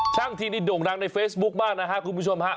ช่างเทศนี่โด่งดังในเฟซบุ๊กมากนะครับคุณผู้ชมครับ